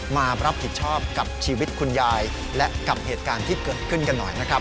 มารับผิดชอบกับชีวิตคุณยายและกับเหตุการณ์ที่เกิดขึ้นกันหน่อยนะครับ